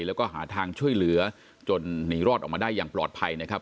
แล้วก็หาทางช่วยเหลือจนหนีรอดออกมาได้อย่างปลอดภัยนะครับ